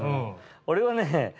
俺はね